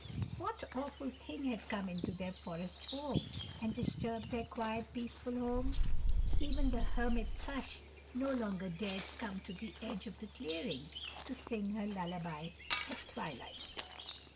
What awful thing had come into their forest home and disturbed their quiet, peaceful homes? Even the Hermit Thrush no longer dared come to the edge of the clearing to sing her lullaby at twilight.